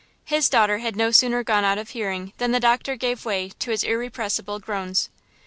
His daughter had no sooner gone out of hearing than the doctor gave way to his irrepressible groans.